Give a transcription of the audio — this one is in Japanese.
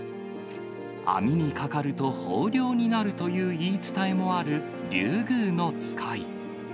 網にかかると豊漁になるという言い伝えもあるリュウグウノツカイ。